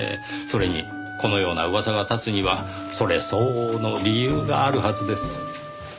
それにこのような噂が立つにはそれ相応の理由があるはずです。